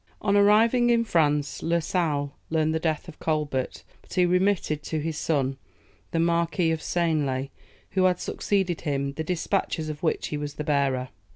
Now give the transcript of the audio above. On arriving in France, La Sale learned the death of Colbert; but he remitted to his son, the Marquis of Seignelay, who had succeeded him, the despatches of which he was the bearer.